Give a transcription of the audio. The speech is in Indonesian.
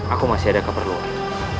aku masih ada keperluannya